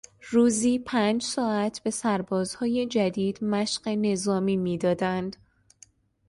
روزی پنج ساعت به سربازهای جدید مشق نظامی میدادند.